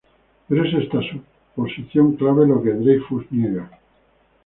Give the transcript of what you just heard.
Pero es esta suposición clave lo que Dreyfus niega.